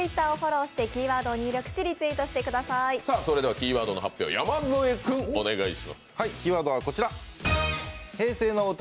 キーワードの発表、山添君、お願いします。